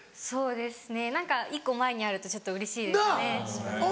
そうですね何か１個前にあるとちょっとうれしいですね。